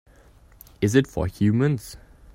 Is it for humans?